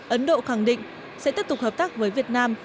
ấn độ khẳng định sẽ tiếp tục hợp tác với việt nam